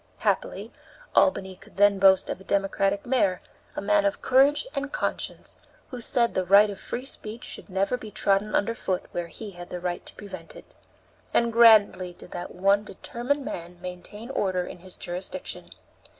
Happily, Albany could then boast of a Democratic mayor, a man of courage and conscience, who said the right of free speech should never be trodden under foot where he had the right to prevent it. And grandly did that one determined man maintain order in his jurisdiction.